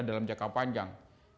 dalam jangka panjang